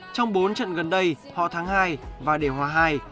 trong bốn trận gần đây họ thắng hai và để hòa hai